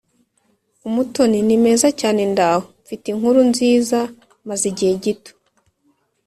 Umutoni Ni meza cyane ndaho Mfite inkuru nziza Maze igihe gito